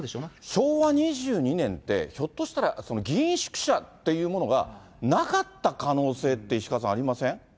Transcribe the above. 昭和２２年って、ひょっとしたら、議員宿舎っていうものがなかった可能性って、石川さん、ありません？